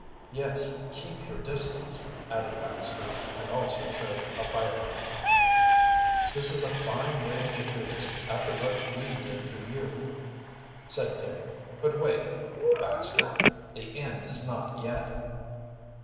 "Yes, keep your distance," added Baxter, and also showed a firearm. "This is a fine way to treat us, after what we did for you," said Dick. "But, wait, Baxter, the end is not yet."